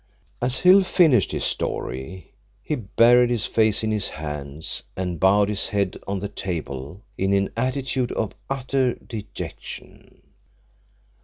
As Hill finished his story he buried his face in his hands, and bowed his head on the table in an attitude of utter dejection.